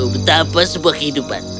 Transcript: betapa sebuah kehidupan